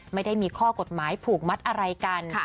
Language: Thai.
ไม่ได้มีข้อกฎหมายผูกมัดอะไรกัน